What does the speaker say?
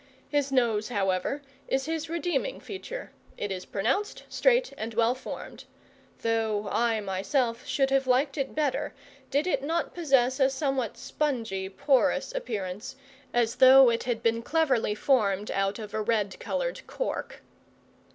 His nose, however, is his redeeming feature: it is pronounced straight and well formed; though I myself should have liked it better if it did not possess a somewhat spongy, porous appearance, as though it had been cleverly formed out of a red coloured cork.